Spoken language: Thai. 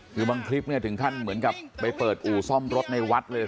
คือบางคลิปเนี่ยถึงขั้นเหมือนกับไปเปิดอู่ซ่อมรถในวัดเลย